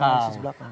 analisis di belakang